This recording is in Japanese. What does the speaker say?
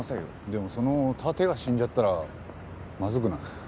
でもその盾が死んじゃったらまずくない？